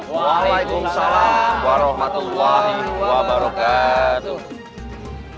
waalaikumsalam warahmatullahi wabarakatuh